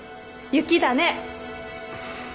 雪だね。